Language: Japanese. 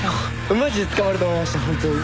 マジで捕まると思いました。